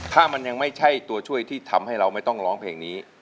ถ้ามันยังไม่ใช่ตัวช่วยที่ทำให้เราไม่ต้องร้องเพลงนี้